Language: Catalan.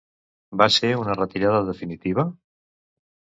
Va ser una retirada definitiva?